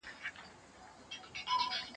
یو په ښار کي اوسېدی بل په صحرا کي